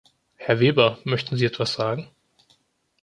Herr Weber, möchten Sie etwas sagen?